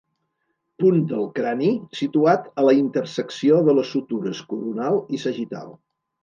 Punt del crani situat a la intersecció de les sutures coronal i sagital.